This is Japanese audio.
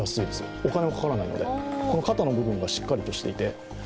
お金もかからないので、肩のところがしかりしていて。